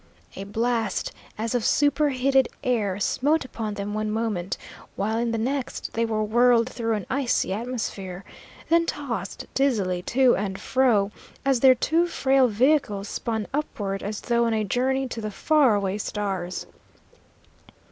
A blast as of superheated air smote upon them one moment, while in the next they were whirled through an icy atmosphere, then tossed dizzily to and fro, as their too frail vehicle spun upward as though on a journey to the far away stars.